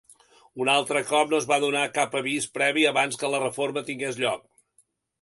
Un altre cop, no es va donar cap avís previ abans que la reforma tingués lloc.